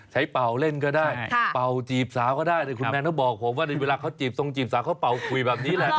เป่าเล่นก็ได้เป่าจีบสาวก็ได้แต่คุณแมนเขาบอกผมว่าในเวลาเขาจีบทรงจีบสาวเขาเป่าคุยแบบนี้แหละ